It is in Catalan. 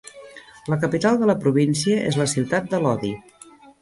La capital de la província és la ciutat de Lodi.